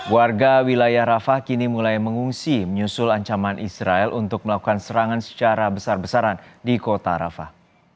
warga wilayah rafa kini mulai mengungsi menyusul ancaman israel untuk melakukan serangan secara besar besaran di kota arafah